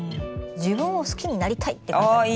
「自分をスキになりたい」って書いてありますね。